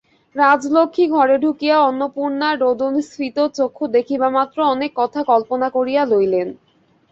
রাজলক্ষ্মী ঘরে ঢুকিয়া অন্নপূর্ণার রোদনস্ফীত চক্ষু দেখিবামাত্র অনেক কথা কল্পনা করিয়া লইলেন।